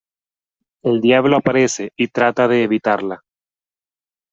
El diablo aparece y trata de evitarla.